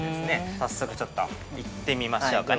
早速ちょっと行ってみましょうかね。